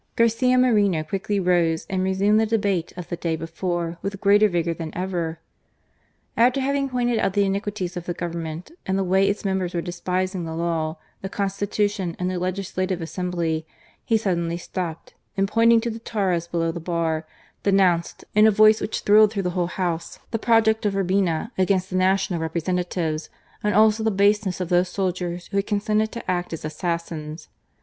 Garcia Moreno quickly rose and resumed the debate of the day before with greater vigour than ever. After having pointed out the iniquities of the Government and the way its members were despising the law, the Constitution, and the Legislative Assembly, he suddenly stopped and pointing to the Tauras below the bar, denounced, in a voice which thrilled through the whole House, the project of Urbina against the national representatives and also the baseness of those soldiers who had consented to act as assassins.